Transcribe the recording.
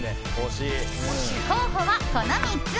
候補は、この３つ。